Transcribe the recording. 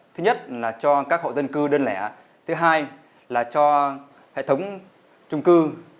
thứ nhất là cho các hộ dân cư đơn lẻ thứ hai là cho hệ thống trung cư